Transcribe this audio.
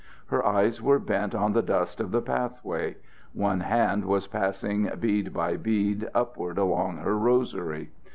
Her eyes were bent on the dust of the path way. One hand was passing bead by bead upward along her rosary.